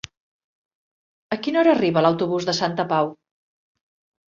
A quina hora arriba l'autobús de Santa Pau?